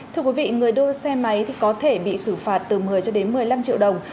thưa quý vị người đua xe máy có thể bị xử phạt từ một mươi cho đến một mươi năm triệu đồng